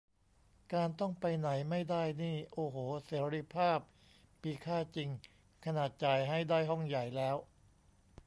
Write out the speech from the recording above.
การต้องไปไหนไม่ได้นี่ โอ้โห เสรีภาพมีค่าจริง ขนาดจ่ายให้ได้ห้องใหญ่แล้ว